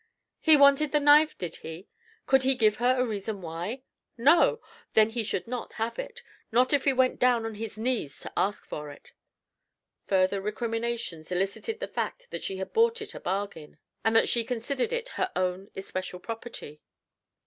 "He wanted the knife, did he? Could he give her a reason why? No! Then he should not have it not if he went down on his knees to ask for it." Further recriminations elicited the fact that she had bought it a bargain, and that she considered it her own especial property.